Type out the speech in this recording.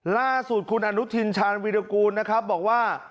ล่าสุดคุณอนุทินชาญวิรากูลนะครับบอกว่า